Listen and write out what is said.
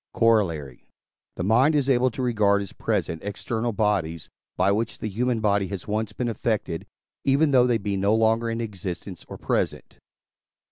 Corollary. The mind is able to regard as present external bodies, by which the human body has once been affected, even though they be no longer in existence or present.